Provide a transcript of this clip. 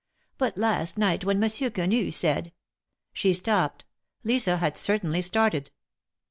But last night when Monsieur Quenu said —" She stopped. Lisa had certainly started.